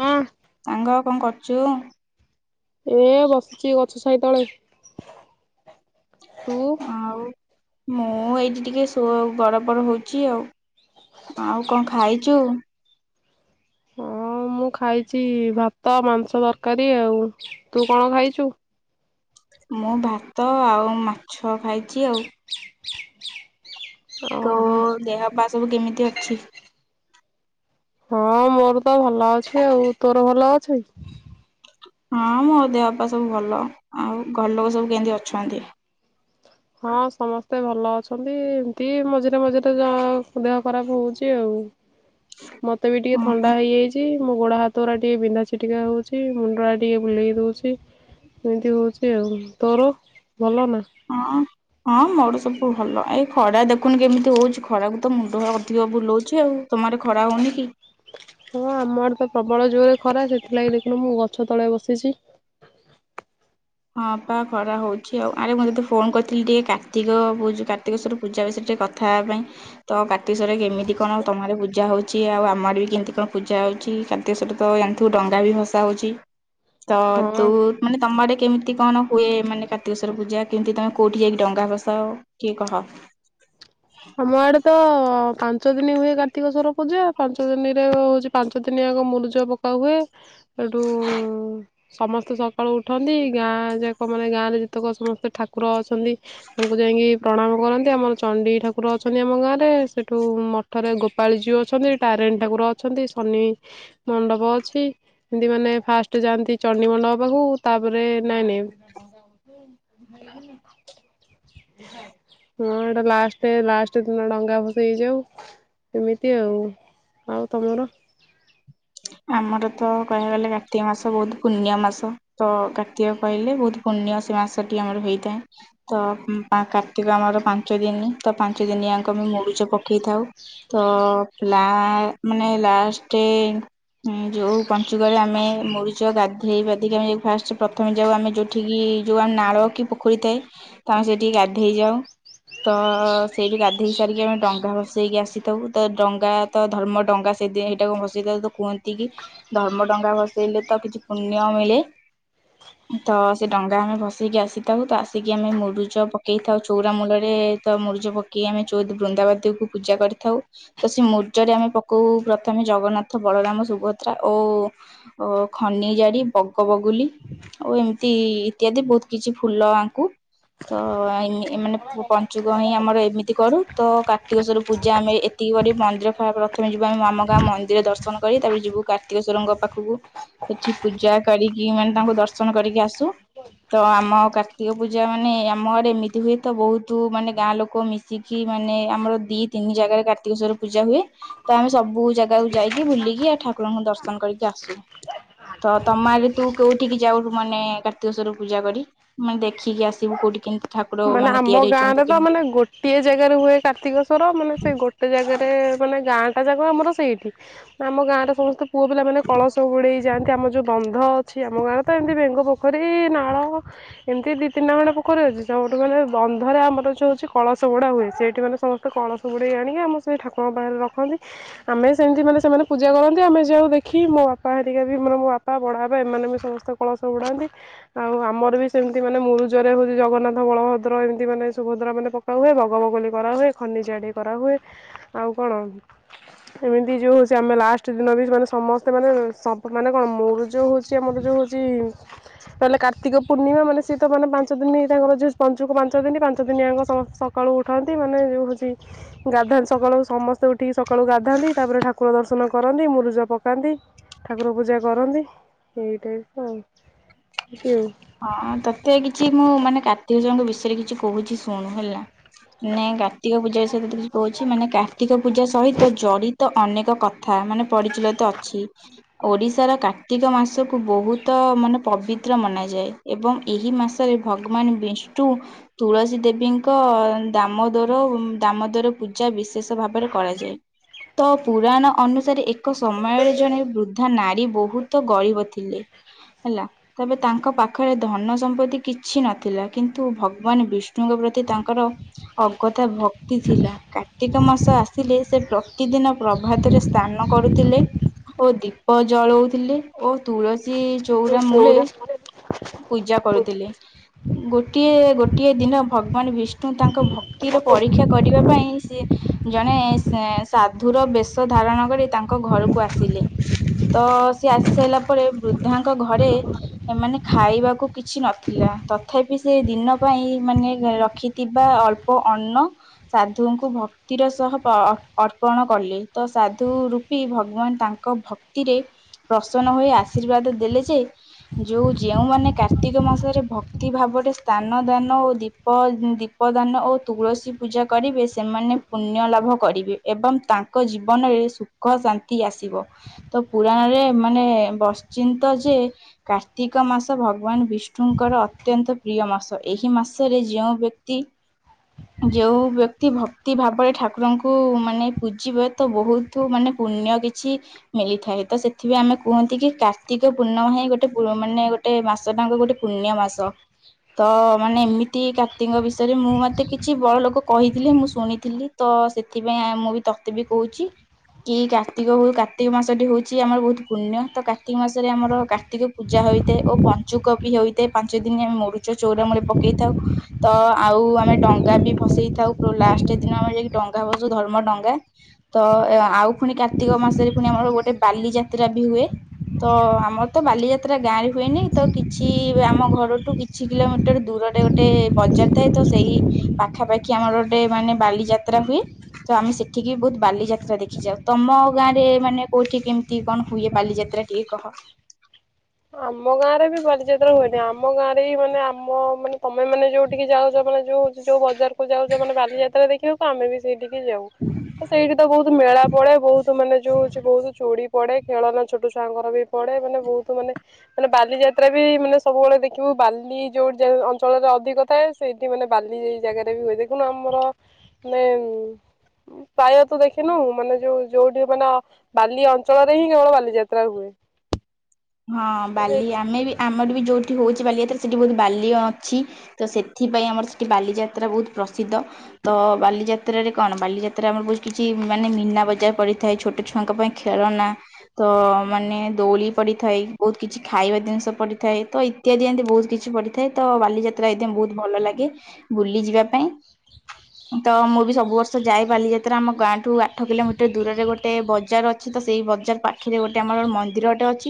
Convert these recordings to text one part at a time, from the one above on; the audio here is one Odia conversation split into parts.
ହଁ‌। ସାଙ୍ଗ ଆଉ କଣ କରୁଚୁ? ଏ ବସିଚି ଗଛ ଛାଇ ତଳେ। ତୁ ଆଉ ମୁଁ ଏଇଠି ଟିକେ ଶୋ ଗଡ ପଡ ହୋଉଚି ଆଉ। ଆଉ କଣ ଖାଇଚୁ? ହଁ ମୁଁ ଖାଇଚି ଭାତ ମାଂସ ତରକାରୀ। ଆଉ ତୁ କଣ ଖାଇଚୁ? ମୁଁ ଭାତ ଆଉ ମାଛ ଖାଇଚି ଆଉ। ଓହୋ। ବା ସବୁ କେମିତି ଅଛି? ହଁ ମୋର ତ ଭଲ ଅଛି ।ଆଉ ତୋର ଭଲ ଅଛି? ହଁ ମୋ ଦେହପା ସବୁ ଭଲ‌ ଆଉ ଘର ଲୋକ ସବୁ କେମିତି ଅଛନ୍ତି? ହଁ ସମସ୍ତେ ଭଲ ଅଛନ୍ତି ଏମତି ମଝିରେ ମଝିରେ ଯାହା ଦେହ ଖରାପ ହୋଉଚି ଆଉ। ମତେ ବି ଟିକେ ହଁ ଥଣ୍ଡା ହେଇଯାଇଚି ମୋ ଗୋଡ଼ ହାତଉରା ଟିଏ ବିନ୍ଧା ଛିଟିକା ହୋଉଚି ମୁଣ୍ଡଟା ଟିକେ ବୁଲେଇ ଦୋଉଚି ଏମିତି ହୋଉଚି ଆଉ। ତୋର ଭଲ ନାଁ? ହଁ ହଁ ମୋର ସବୁ ଭଲ ଏଇ ଖରା ଦେଖୁନୁ କେମିତି ହୋଉଚି ଖରାକୁ ତ ମୁଣ୍ଡ ହା ଅଧିକ ବୁଲଉଚି ଆଉ‌ ତମର ଖରା ହଉନି କି? ହଁ ଆମଆଡ଼େ ତ ପ୍ରବଳ ଜୋରେ ଖରା ସେଥିଲାଗି ଦେଖୁନୁ ମୁଁ ଗଛ ତଳେ ବସିଚି। ହଁ ପା ଖରା ହୋଉଛି ଆଉ। ଆରେ ମୁଁ ତତେ ଫୋନ୍ କରିଥିଲି ଟିକେ କାର୍ତ୍ତିକ ପୂଜ୍ କାର୍ତ୍ତିକେଶ୍ୱର ପୂଜା ବିଷୟରେ ଟିକେ କଥା ହେବା ପାଇଁ। ତ କାର୍ତ୍ତିକେଶ୍ୱର କେମିତି କଣ ତମ ଆଡ଼େ ପୂଜା ହଉଚି ଆଉ ଆମ ଆଡ଼େ ବି କେମିତି କଣ ପୂଜା ହଉଚି ସେମିତି ସବୁ ତ ଜାଣିଥିବୁ ଡଙ୍ଗା ବି ଭସା ହଉଚି। ତ ହଁ ତୁ ମାନେ ତମ ଆଡେ କେମ୍ ତି କଣ ହୁଏ ମାନେ କାର୍ତ୍ତିକେଶ୍ଵର ପୂଜା କେମତି ତମେ କୋଉଠି ଯାଇକି ଡଙ୍ଗା ଭସାଅ କିଏ କହ। ଆମ ଆଡେ ତ ହଁ ପାଞ୍ଚ ଦିନି ହୁଏ କାର୍ତ୍ତିକେଶ୍ୱର ପୂଜା। ପାଞ୍ଚ ଦିନରେ ହୋଉଚି ପାଞ୍ଚ ଦିନି ଆଗ ମୁରୁଜ ପକା ହୁଏ। ହେଟୁ ସମସ୍ତେ ସକାଳୁ ଉଠନ୍ତି ଗାଁ ଯାକ ମାନେ ଗାଁରେ ଯେତେକ ସମସ୍ତେ ଠାକୁର ଅଛନ୍ତି ତାଙ୍କୁ ଯାଇକି ପ୍ରଣାମ କରନ୍ତି‌। ଆମର ଚଣ୍ଡୀ ଠା ଠାକୁର ଅଛନ୍ତି ଆମ ଗାଁରେ ସେଠୁ ମଠରେ ଗୋପାଳଜୀଉ ଅଛନ୍ତି ତାରେଣୀ ଠାକୁର ଅଛନ୍ତି ଶନି ମଣ୍ଡପ ଅଛି ଏମତି ମାନେ ଫାଷ୍ଟ ଯାଆନ୍ତି ଚଣ୍ଡୀ ମଣ୍ଡପ ପାଖୁ ତାପରେ ନାଇଁ ନାଇଁ ଝା ହଁ ଏଟା ଲାଷ୍ଟେ ଲାଷ୍ଟେ ଦିନ ଡଙ୍ଗା ଭସେଇ ଯାଉଁ ଏମିତି ଆଉ ଆଉ ତମର? ଆମର ତ କହିବାକୁ ଗଲେ କାର୍ତ୍ତିକ ମାସ ବୋହୁତ ପୁଣ୍ୟ ମାସ ତ କାର୍ତ୍ତିକ କଇଲେ ବୋହୁତ ପୁଣ୍ୟ ସେ ମାସଟି ଆମର ହେଇଥାଏ। ତ ଉଁ ପା କାର୍ତ୍ତିକ ଆମର ପାଞ୍ଚ ଦିନି ତ ପାଞ୍ଚ ଦିନି ଆଙ୍କ ଆମେ ମୁରୁଜ ପକେଇଥାଉ ତ ପ୍ଲା ମାନେ ଲାଷ୍ଟେ ହୁଁ ଯୋଉ ପଞ୍ଚୁକରେ ଆମେ ମୁରିଚ ଗାଧେଇପାଧେଇକି ଆମେ ଫାଷ୍ଟ ପ୍ରଥମେ ଯାଉ ଆମେ ଯୋଉଠି ଯୋଉ ଆମ ନାଳ କି ପୋଖରୀ ଥାଏ ତ ଆମେ ସେଇଠିକି ଗାଧେଇ ଯାଉ ତ ସେଇଠି ଗାଧେଇ ସାରିକି ଆମେ ଡଙ୍ଗା ବସେଇକି ଆସିଥାଉ ତ ଡଙ୍ଗା ତ ଧର୍ମ ଡଙ୍ଗା ସେ ସେଇଟାକୁେ ଭସେଇଥାଉ କୁହନ୍ତି କି ଧର୍ମ ଡଙ୍ଗା ଭସେଇଲେ ତ କିଛି ପୁଣ୍ୟ ମିଳେ ତ ସେ ଡଙ୍ଗା ଆମେ ଭସେଇକି ଆସିଥାଉ ତ ଆସିକି ଆମେ ମୁରୁଜ ପକେଇଥାଉ ଚଉରା ମୂଳରେ ତ ମୁରୁଜ ପକେଇି ଆମେ ବୃନ୍ଦାବତୀକୁ ପୂଜା କରିଥାଉ ତ ସେ ମୂର୍ଜ ରେ ଆମେ ପକଉ ପ୍ରଥମେ ଜଗନ୍ନାଥ ଥ ବଳରାମ ସୁଭଦ୍ରା ଓ ଖନିଜାଡ଼ି ବଗ ବଗୁଲି ଆଉ ଏମିତି ଇତ୍ୟାଦି ବହୁତ କିଛି ଫୁଲ ଆଙ୍କୁ ତ ଆଇଁ ମାନେ ପଞ୍ଚୁକ ହିଁ ଆମର ଏମିତି କରୁ ତ କାର୍ତ୍ତିକ ସ୍ୱର ପୂଜା ଆମେ ଏତିକି କରି ମନ୍ଦିର ପ୍ରଥମେ ଯିବା ଆମ ଗାଁ ମନ୍ଦିର ଦର୍ଶ ଦରଶନ କରି ତାପରେ ଯିବୁ କାର୍ତ୍ତିକେଶ୍ଵରଙ୍କ ପାଖକୁ ସେଠି ପୂଜା କରିକି ମାନେ ତାଙ୍କୁ ଦର୍ଶନ କରିକି ଆସୁ ତ ଆମ କାର୍ତ୍ତିକ ପୂଜା ମାନେ ଆମ ଘରେ ଏମିତି ହୁଏ ତ ବହୁତ ମାନେ ଗାଁ ଲୋକ ମିଶିକି ମାନେ ଆମର ଦି ତିନି ଜାଗାରେ କାର୍ତ୍ତିକେଶ୍ଵର ପୂଜା ହୁଏ ତ ଆମେ ସବୁ ଜାଗାକୁ ଯାଇ ବୁଲିକି ଆ ଠାକୁରଙ୍କୁ ଦର୍ଶନ କରିକି ଆସୁ ତ ତମ ହେଲେ ତୁ କୋଉଠିକି ଯାଉଠୁ ମାନେ କାର୍ତ୍ତିକେଶ୍ଵରକୁ ପୂଜା କରି ମାନେ ଦେଖିକି ଆସିବୁ କୋଉଠି କିନ୍ତୁ ମାନେ ଆମ ଗାଁ ରେ ତ ମାନେ ଗୋଟିଏ ଜାଗାରେ ହୁଏ କାର୍ତ୍ତିକେଶ୍ଵର ମାନେ ସେଇ ଗୋଟେ ଜାଗାରେ ମାନେ ଗାଁ ତା ଯାକ ଆମର ସେଇଠି ଆମ ଗାଁର ସମସ୍ତେ ପୁଅ ପିଲାମାନେ କଳସ ବୁଡ଼େଇଯାଆନ୍ତି। ଏ ଆମ ଯେଉଁ ବନ୍ଧ ଅଛି ଆମ ଗାଁରେ ତ ଏମିତି ବେଙ୍ଗୁ ପୋଖରୀ ନାଳ ଏମିତି ଦୁଇ ତିନିଟା ଖଣ୍ଡେ ପୋଖରୀ ଅଛି। ଯେଉଁଠୁ ମାନେ ବନ୍ଧରେ ଆମର ଯଉ ହେଉଛି କଳସ ବୁଡ଼ା ହୁଏ ସେଇଠି ମାନେ ସମସ୍ତେ କଳସ ବୁଡ଼େଇ ଆଣିକି ଆମ ସେଇ ଠାକୁରଙ୍କ ପାଖରେ ରଖନ୍ତି ଆମେ ସେମିତି ମାନେ ସେମାନେ ପୂଜା କରନ୍ତି ଆମେ ଯାଉ ଦେଖି ମୋ ବାପା ହେରିକା ବି ମାନେ ମୋ ବାପା ବଡ଼ ବାପା ଏମାନେ ବି ସମସ୍ତେ କଳସ ବୁଡ଼ାନ୍ତି ଆଉ ଆମର ବି ସେମିତି ମାନେ ମୁରୁଜରେ ହଉଛି ଜଗନ୍ନାଥ। ବଳଭଦ୍ର ଏମିତି ମାନେ ସୁଭଦ୍ରା ମାନେ ପକା ହୁଏ ବଗବଗୁଲି କରାହୁଏ ଖନିଜାଡି କରାହୁଏ ଆଉ କଣ ଏମିତି ଯୋଉ ହଉଛି ଆମେ ଲାଷ୍ଟ ଦିନ ବି ମାନେ ସମସ୍ତେ ମାନେ ସପ ମାନେ କଣ ମୁରୁଜ ହଉଛି। ସେ ଆମର ଯଉ ହଉଛି। ହେଲେ କାର୍ତ୍ତିକ ପୂର୍ଣ୍ଣିମା ମାନେ ସେତ ମାନେ ପାଞ୍ଚ ଦିନ ହେଇ ତାଙ୍କର ଯ ପଞ୍ଚକୁ ପାଞ୍ଚ ଦିନ ପାଞ୍ଚ ଦିନ ଆଙ୍କ ସମସ୍ତେ ସକାଳୁ ଉଠାନ୍ତି ମାନେ ଯେଉ ହେଉଛି ଗାଧାନ୍ତି ସକାଳୁ ସମସ୍ତେ ଉଠିକି। ସକାଳୁ ଗାଧାନ୍ତି ତାପରେ ଠାକୁର ଦର୍ଶନ। ଦର୍ଶନ କରନ୍ତି ମୁରୁଜ ପକାନ୍ତି ଠାକୁର ପୂଜା କରନ୍ତି ଏଇ ଟାଇପର ଆଉ। ଏମିତି ଆଉ। ହଁ ତତେ କିଛି। ମୁଁ ମାନେ କାର୍ତ୍ତିକଜୟଙ୍କ ବିଷୟରେ କିଛି କହୁଛି ଶୁଣୁ ହେଲା। ନାହିଁ କାର୍ତ୍ତିକ ପୂଜା ବିଷୟରେ ତତେ କିଛି କହୁଛି ମାନେ କାର୍ତ୍ତିକ ପୂଜା ସହିତ ଜଡି ତ ଅନେକ କଥା ମାନେ ପରିଚଳିତ ଅଛି ଓଡିଶାର କାର୍ତ୍ତିକ ମାସକୁ ବହୁତ ମାନେ ପବି ତ୍ର ମନାଯାଏ ଏବଂ ଏହି ମାସରେ ଭଗବାନ ବିଷ୍ଣୁ ତୁଳସୀ ଦେବୀଙ୍କ ଦାମୋଦର ଦାମୋଦର ପୂଜା ବିଶେଷ ଭାବରେ କରାଯାଏ ତ ପୁରାଣ ଅନୁସାରେ ଏ। ଏକ ସମୟରେ ଜଣେ ବୃଦ୍ଧା ନାରୀ। ବହୁତ ଗରିବ ଥିଲେ ହେଲା। ତେବେ ତାଙ୍କ ପାଖରେ ଧନ ସମ୍ପତ୍ତି କିଛି ନଥିଲା କିନ୍ତୁ ଭଗବାନ ବିଷ୍ଣୁଙ୍କ ପ୍ରତି ତାଙ୍କର ଅଗଥା ଭ କ୍ତି ଥିଲା କା କାର୍ତ୍ତିକ ମାସ ଆସିଲେ ସେ ପ୍ରତିଦିନ ପ୍ରଭାତରେ ସ୍ନାନ କରୁଥିଲେ ଓ ଦୀପ ଜଳଉଥିଲେ ଓ ତୁଳସୀ ସି ଏଇ ଚଉରା ମୂଳେ। ଚଉରାଶରେ ପୂଜା କରୁଥିଲି ଗୋଟିଏ। ଗୋଟିଏ ଦିନ ଭଗବାନ ବିଷ୍ ଷ୍ଣୁ ତାଙ୍କ ଭକ୍ତିର ପରୀକ୍ଷା କରିବା ପାଇଁ। ସିଏ ଜଣେ ସା ସାଧୁର ବେଶ ଧାରଣ କରି ତାଙ୍କ ଘରକୁ ଆସିଲେ ତ ସିଏ ଆସି ସାରିଲା ପରେ ବୃଦ୍ଧାଙ୍କ ଘରେ। ଏମାନେ ଖାଇବାକୁ କିଛି ନଥିଲା ତଥାପି ସେ ଦିନ ପାଇଁ ମାନେ ରଖିଥିବା ଅଳ୍ପ ଅନ୍ନ ସାଧୁଙ୍କୁ ଭକ୍ତିର ସହ ଅ-ଅ-ଅର୍ପଣ କଲେ ତ ସାଧୁ ରୂପୀ ଭଗବାନ ତାଙ୍କ ଭକ୍ତିରେ ପ୍ରସନ୍ନ ହୋଇ ଆଶୀର୍ବାଦ ଦେଲେ ଯେ। ଯୋଉ ଯେଉଁମାନେ କାର୍ତ୍ତିକ ମାସରେ ଭକ୍ତି ଭାବରେ ସ୍ଥାନ ଦାନ ଓ ଦୀପ ଦୀପ ଦାନ ଓ ତୁଳସୀ ପୂଜା କରିବେ ସେମାନେ ପୁଣ୍ୟ ଲାଭ କରିବେ ଏବଂ ତାଙ୍କ ଜୀବନରେ ସୁଖ ଶାନ୍ତି ଆସିବ ତ ପୁରାଣରେ ମାନେ ବଶ୍ଚିନ୍ତ ଯେ। କାର୍ତ୍ତିକ ମାସ ଭଗବାନ ବିଷ୍ଣୁଙ୍କର ଅତ୍ୟନ୍ତ ପ୍ରିୟ ମାସ ଏହି ମାସରେ ଯେଉଁ ବ୍ୟକ୍ତି ଯଉ ବ୍ୟକ୍ତି ଭକ୍ତି ଭାବରେ ଠାକୁରଙ୍କୁ ମାନେ ପୂଜିବେ ତ ବହୁତୁ ମାନେ ପୁଣ୍ୟ କିଛି ମିଳିଥାଏ ତ ସେଥିପାଇଁ ଆମେ କୁହନ୍ତି କି କାର୍ତ୍ତିକ ପୂର୍ଣ୍ଣମା ହିଁ ଗୋ ଗୋଟେ ପୁ ମାନେ ଗୋଟେ ମାସଟାଙ୍କର ଗୋଟେ ପୁଣ୍ୟ ମାସ ତ ମାନେ ଏମିତି କାର୍ତ୍ତିକଙ୍କ ବିଷୟରେ ମୁଁ ମତେ କିଛି ବଡ ଲୋକ କହିଥିଲେ ମୁଁ ଶୁଣିଥିଲି ତ ସେଥିପାଇଁ ଆ ମୁଁ ବି ତତେ ବି କହୁଛି କି କାର୍ତ୍ତିକ କାର୍ତ୍ତିକ ମାସଟି ହଉଛି ଆମର ବହୁତ ପୁଣ୍ୟ ତ କାର୍ତ୍ତିକ ମାସରେ ଆମର କାର୍ତ୍ତିକ। ପୂଜା ହୋଇଥାଏ ଓ ପଞ୍ଚୁକ ବି ହେଇଥାଏ ପାଞ୍ଚ ଦିନ ଆମେ ମୁରୁଜ ଚଉରା ମୂଳେ ପକେଇଥାଉ ତ ଆଉ ଆମେ ଡଙ୍ଗା ବି ଭସେଇ ଥାଉ ପୁରା ଲାଷ୍ଟ୍ ଦିନ ଆମେ ଯାଇକି ଡଙ୍ଗା ଭସୁ ଧର୍ମ ଡଙ୍ଗା ତ ଆଉ ପୁଣି କାର୍ତ୍ତିକ ମାସରେ ପୁଣି ଆମର ଗୋଟେ ବାଲିଯାତ୍ରା ବି ହୁଏ ତ ଆମର ତ ବାଲିଯା ଯାତ୍ରା ଗାଁ ରେ ହୁଏନି ତ କିଛି ଆମ ଘରଠୁ କିଛି କିଲୋମିଟର ଦୂରରେ ଗୋଟେ ବଜାର ଥାଏ ତ ସେଇ ପାଖାପାଖି ଆମର ଗୋଟେ ମାନେ ବାଲିଯାତ୍ରା ହୁଏ ତ ଆମେ ସେଠିକି ବହୁତ ବାଲିଯାତ୍ରା ଦେଖିଯାଉ ତମ ଗାଁ ରେ ମାନେ କୋଉଠି କେମିତି କଣ ହୁଏ ବାଲିଯାତ୍ରା ଟିକେ କହ। ଆମ ଗାଁରେ ବି ବାଲିଯା ହୁଏନି ଆମ ଗାଁରେ ଏଇ ମାନ ଆମ ମାନେ ତମେ ମାନେ ଯୋଉଠିକି ଯାଉଛ ମାନେ ଯୋଉ। ଯୋଉ ବଜାର କୁ ଯାଉଛ ମାନେ ବାଲିଯାତ୍ରା ଦେଖିବା ପା ଆମେ ବି ସେଇଠି। ଯାଉ ସେଇଠି ତ ବହୁତ ମେଳା ପଡେ ବହୁତ ମାନେ ଯୋଉ ହଉଛି ବହୁତ ଚୂଡି। ପଡେ ଖେଳନା ଛୋଟ ଛୁଆଙ୍କର ବି ପଡେ ମାନେ ବହୁତୁ ମାନେ। ମାନେ ବାଲିଯାତ୍ରା ବି ମାନେ ସବୁବେଳେ ଦେଖିବୁ ବାଲି ଯୋଉଠି ଯା ଅଞ୍ଚଳରେ ଅଧିକ ଥାଏ ସେଇଠି ମାନେ ବାଲିଇଲ ଜାଗାରେ ବି ହୁଏ ଦେଖୁନୁ ଆମର ମାନେ ଉମ ପ୍ରାୟତ ଦେଖିନୁ ମାନେ ଯୋଉ ଯୋଉଠି ମାନେ ବାଲି ଅଞ୍ଚଳରେ ହିଁ କେବଳ ବାଲିଯାତ୍ରା ହୁଏ। ହଁ ବାଲି ସେଇଠି ଆମେ ବି ଆମର ବି ଯୋଉ ସେଠି ହଉଛି ବାଲିଯାତ୍ରା ସେଠି ବହୁତ ବାଲି ଅଛି ତ ସେଥିପାଇଁ ଆମର ସେଠି ବାଲିଯାତ୍ରା ବହୁତ ପ୍ରସିଦ୍ଧ ତ ବାଲିଯାତ୍ରାରେ କଣ ବାଲିଯାତ୍ରା ଆମର ବହୁତ କିଛି ମାନେ ମୀନା ବଜାର ପଡିଥାଏ ଛୋଟ ଛୁଆଙ୍କ ପାଇଁ ଖେଳନା ତ ମାନେ ଦୋଳି ପଡିଥାଏ ବହୁତ କିଛି ଖାଇବା ଜିନିଷ ପଡିଥାଏ ତ ଇତ୍ୟାଦି ଏମିତି ବହୁତ କିଛି ପଡିଥାଏ ତ ବାଲିଯାତ୍ରା ଏଦ ବହୁତ ଭଲ ଲାଗେ ବୁଲି ଯିବା ପାଇଁ ତ ମୁଁ ବି ସବୁ ବର୍ଷ ଯାଏ ବାଲିଯାତ୍ରା ଆମ ଗାଁଠୁ ଆଠ କିଲୋମିଟର ଦୂରରେ ଗୋଟେ ବଜାର ଅଛି ତ ସେଇ ବଜାର ପାଖରେ ଗୋଟେ ଆମର ମନ୍ଦିର ଗୋଟେ ଅଛି।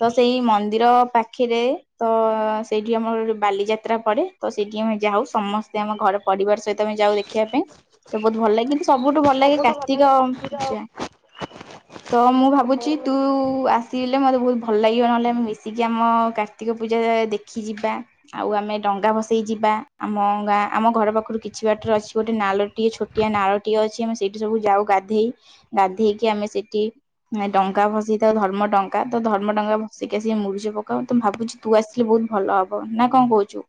ତ ସେଇ ମନ୍ଦିର ପାଖରେ ତ ସେଇଠି ଆମର ଗୋେ ବାଲିଯାତ୍ରା ପଡେ ତ ସେଇଠି ଆମେ ଯାଉ ସମସ୍ତେ ଆମ ଘର ପରିବାର ସହିତ ଆମେ ଯାଉ ଦେଖିବା ପାଇଁ ତ ବହୁତ ଭଲ ଲାଗେ। ସବୁଠୁ ଭଲ ଲାଗେ ସବୁଠୁ ଭଲ କାର୍ତ୍ତିକ ରାତିର ପୂଜା ତ ମୁଁ ଭାବୁଛି ତୁ ଆ ଲେ ମତେ ବହୁତ ଭଲ ଲାଗିବ ନହେଲେ ଆମେ ମିଶିକି ଆମ କାର୍ତ୍ତିକ ପୂଜା ଦେଖି ଯିବା ଆଉ ଆମେ ଡଙ୍ଗା ଭସେଇ ଯିବା ଆମ ଗାଁ ଆମ ଘର ପାଖରୁ କିଛି ବାଟରେ ଅଛି ଗୋଟେ ନାଳଟିଏ ଛୋଟିଆ ନାଳଟିଏ ଅଛି ଆମେ ସେଇଠି ସବୁ ଯାଉ ଗାଧେଇ ଗାଧେଇକି ଆମେ ସେଇଠି ଡଙ୍ଗା ଭସେଇଥାଉ ଧର୍ମଡଙ୍ଗା। ପ ତ ଧର୍ମଡଙ୍ଗା ଭସିକି ଆସିକି ମୁଡୁଛ ପକା ତ ଭାବୁଚି ତୁ ଆସିଲେ ବହୁତ ଭଲ ହବ ନା କଣ କହୁଛୁ।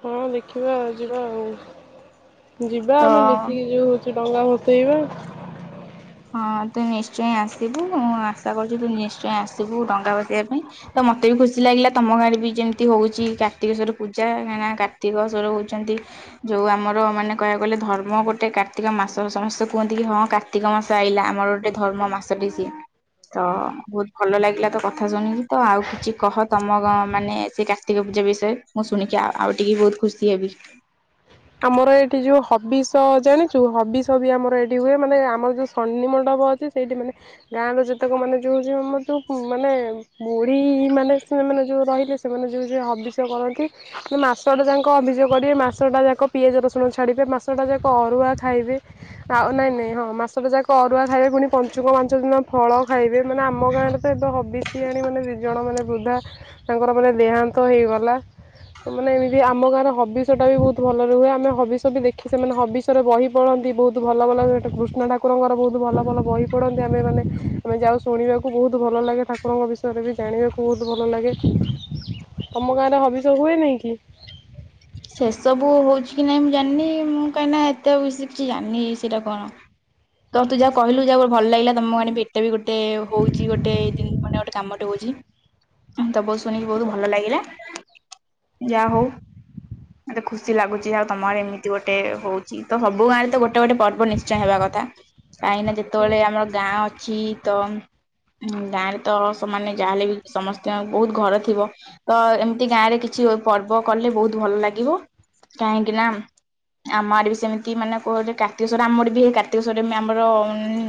ହଁ ଦେଖିବିବା ଯେଟା ଯିବା ଆମେ ତ ମିଶିକି ଯୋଉ ହଉ ଡଙ୍ଗା ହସେଇବା ହଁ ତୁ ନିଶ୍ଚୟ ଆସିବୁ ଆଶା କରୁଛିୁ ତୁ ନିଶ୍ଚୟ ଆସିବୁ ଡଙ୍ଗା ବସେଇବା ପାଇଁ ତ ମତେ ବି ଖୁସି ଲାଗିଲା ତମ ଗାରେ ବି ଯେମିତି ହଉଛି କାର୍ତ୍ତିକ ସଵର ପୂଜା କାହିଁକ ନା କାର୍ତିକ ସଵର ହଉଛନ୍ତି ଯୋଉ ଆମର ମାନେ କହିବାକୁ ଗଲେ ଧର୍ମ ଗୋଟେ କାର୍ତ୍ତିକ ମାସ ସମସ୍ତେ କୁହନ୍ତି କି ହଁ କାର୍ତ୍ତିକ ମାସ ଇଲା ଆମର ଗୋଟେ ଧର୍ମ ମାସଟି ସିଏ ତ ବହୁତ ଭଲ ଲାଗିଲା ତ କଥା ଶୁଣିକି ତ ଆଉ କିଛି କହ ତମ ମାନେ ସେ କାର୍ତ୍ତିକ ପୂଜା ବିଷୟରେ ମୁଁ ଶୁଣିକି ଆଉ ଟିକେ ବହୁତ ଖୁସି ହେବି। ଆମର ଏଇଠି ଯୋଉ ହବି ତ ଜାଣିଛୁ ହବି ଛ ବି ଆମର ଏଇଠି ହୁଏ ମାନେ ଆମର ଯେଉଁ ସନି ମଣ୍ଡପ ଅଛି ସେଇଠି ମାନେ ଗାଁର ଯେତେକ ମାନେ ଯେଉଁଉ ଆମର ଯେଉଁ ମାନେ ବୁଢ଼ୀମାନୋନେ ସେମାନେ ଯେଉଁ ରହିଲେ ସେମାନେ ଯେଉଁ ହବିଷୟ କରନ୍ତି ମାନ ମାସଟା ଯାକ ଅଭିଯୋଗ କରିବେ ମାସଟା ଯାକ ପିଆଜ ରସୁଣ ଛାଡ଼ିବେ ମାସଟା ଯାକ ଅରୁଆ ଖାଇବେ ଆଉ ନାଇଁ ନାଇଁ ହଁ ମାସଟା ଯାକ ଅରୁଆ ଖାଇବେ ପୁଣି ପଞ୍ଚୁକ ପାଞ୍ଚ ଦିନ ଫଳ ଖାଇବେ ମାନେ ଆମ ଗାଁରେ ତ ଏବେ ହେବ। ବି ସି ଆଣି ମାନେ ଦି ଜଣ ମାନେ ବୃଦ୍ଧା ତାଙ୍କର ମାନେ ଦେହାନ୍ତ ହେଇଗଲା ମାନେ ଏମିତି ଆମ ଗାଁର ହବିଷଟା ବି ବହୁତ ଭଲ ହୁଏ ଆମେ ହବିଷ ବି ଦେଖି ସେମାନେ ହବିଷରେ ବହି ପଢନ୍ତି ବହୁତ ଭଲ ଭଲ କୃଷ୍ଣ ଠାକୁରଙ୍କର ବହୁତ ଭଲ ଭଲ ବହି ପଢନ୍ତି ଆମେ ମାନେ ଆମେ ଯାଉ ଶୁଣିବାକୁ ବହୁତ ଭଲ ଲାଗେ ଠାକୁରଙ୍କ ବିଷୟରେ ବି ଜାଣିବାକୁ ବହୁତ ଭଲ ଲାଗେ ତମ ଗାଁରେ ହବିଷ ହୁଏ ନାଇଁ କି ସେ ସବୁ ହଉଛି କି ନାଇଁ ମୁଁ ଜାଣିନି ମୁଁ କାହିଁକିନା ଏତେ କିଛି ଜାଣିନି ସେଇଟା କଣ ତ ତୁ ଯାହା କହିଲୁ ଯାହା ଗୋଟେ ଭଲ ଲାଗିଲା ତମ ଆଣିବି ଏତେ ବି ଗୋଟେ ଗୋଟେ ହଉଛି ଗୋଟେ ମାନେ ଗୋଟେ କାମଟେ ହଉଛି ତ ବହୁତ ଶୁଣିକି ବହୁତ ଭଲ ଲାଗିଲା ଯାହା ହଉ ମତେ ଖୁସି ଲାଗୁଛି ଆଉ ତମର ଏମିତି ଗୋଟେ ହଉଛି ତ ସବୁ ଗାଁ ରେ ତ ଗୋଟେ ଗଟ ଗୋଟେ ପର୍ବ ନିଶ୍ଚୟ ହେବା କଥା କାହିଁକି ନା ଯେତେବେଳେ ଆମର ଗାଁ ଅ ଅଛି ତ ଗାଁରେ ତ ସେମାନେ ଯାହାହେଲେ ବି ସମସ୍ତ ବହୁତ ଘର ଥିବ ତ ଏମିତି ଗାଁ ରେ କିଛି ପର୍ବ କଲେ ବହୁତ ଭଲ ଲାଗିବ କାହିଁକି ନା ଆମ ଆଡେ ବି ସେମିତି ମାନେ କୁେ କାର୍ତ୍ତିକ ସଵର ଆମ ଆରଡେ ବି ହ କାର୍ତ୍ତିକ ସଵରରେ ଆମର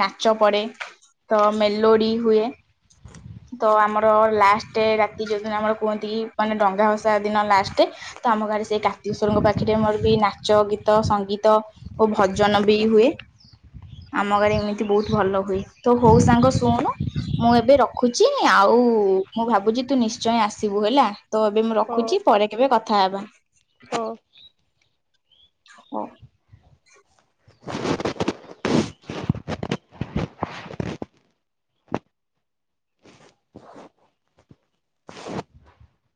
ନାଚ ପଡେ ତ ମେଲୋଡି ହୁଏ ତ ଆମର ଲାଷ୍ଟ ରାତି ଯୋଉଦିନ ଆମର କୁହନ୍ତି କି ମାନେ ଡଙ୍ଗା ଭସା ଦିନ ଲାଷ୍ଟ ତ ଆମ ଗାରେ ସେଇ କାର୍ତିେଶ୍ଵରଙ୍କ ପାଖରେ ମୋର ବି ନାଚ ଗୀତ ସଙ୍ଗୀତ ଓ ଭଜନ ବି ହୁଏ ଆମ ଗାରେ ଏମିତି ବହୁତ ଭଲ ହୁଏ ତ ହଉ ସାଙ୍ଗ ଶୁଣ ମୁଁ ଏବେ ରଖୁଛି ଆଉ ମୁଁ ଭାବୁଛି ତୁ ନିଶ୍ଚୟ ଆସିବୁ ହେଲା। ତ ଏବେ ମୁଁ ହଁ ରଖୁଛି ପରେ କେବେ କଥା କଥା ହେବା। ହଁ ହଁ